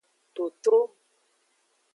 Totro.